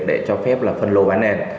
để cho phép là phân lô bán nền